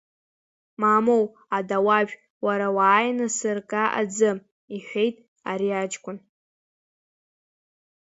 Мамоу, адауажә, уара уааины сырга аӡы, — иҳәеит ари аҷкәын.